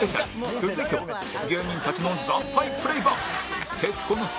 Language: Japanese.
続いては芸人たちの惨敗プレイバック